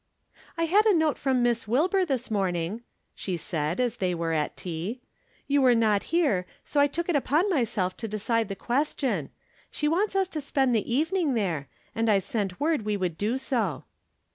" I had a note from Miss Wilbur this morning," she said, as they were at tea. " You were not here, so I took it upon myself to decide the ques tion. She wants us to spend the evening there, and I sent word we would do so."